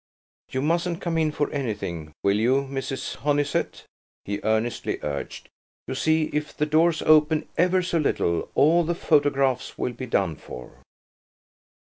"You mustn't come in for anything, will you, Mrs. Honeysett?" he earnestly urged. "You see, if the door's open ever so little, all the photographs will be done for."